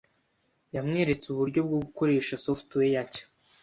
Yamweretse uburyo bwo gukoresha software nshya.